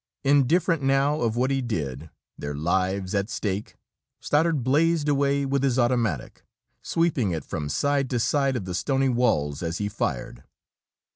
Indifferent now of what he did, their lives at stake, Stoddard blazed away with his automatic, sweeping it from side to side of the stony walls as he fired.